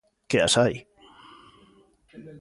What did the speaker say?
Que as hai.